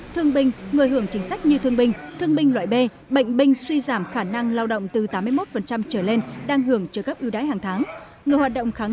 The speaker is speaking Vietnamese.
thương binh người hưởng chính sách như thương binh thương binh loại b bệnh binh suy giảm khả năng lao động từ tám mươi một trở lên đang hưởng trợ cấp ưu đãi hàng tháng